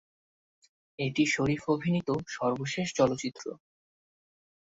এটি শরিফ অভিনীত সর্বশেষ চলচ্চিত্র।